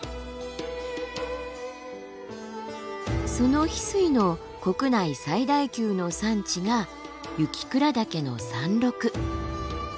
その翡翠の国内最大級の産地が雪倉岳の山麓。